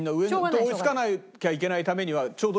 追いつかなきゃいけないためにはちょうどいいの。